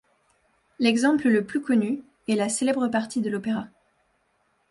L'exemple le plus connu est la célèbre partie de l'opéra.